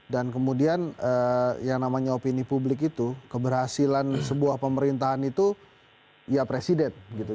dan kemudian yang namanya opini publik itu keberhasilan sebuah pemerintahan itu ya presiden gitu